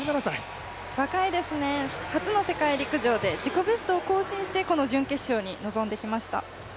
若いですね、初の世界陸上で自己ベストを更新してこの準決勝に臨んできました。